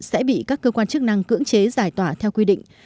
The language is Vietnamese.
sẽ bị các cơ quan chức năng cưỡng chế giải tỏa theo quy định